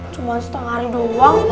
cuma setengah hari doang